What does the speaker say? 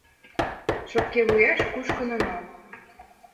Шопке вуеш кушкын онал.